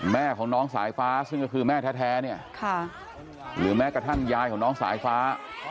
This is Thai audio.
แม่ของน้องสายฟ้าซึ่งก็คือแม่แท้เนี่ยหรือแม้กระทั่งยายของน้องสายฟ้า